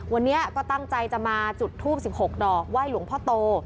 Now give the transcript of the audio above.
วันนี้ก็ตั้งใจจะมาจุดทูบ๑๖ดอกไหว้หลวงพ่อโต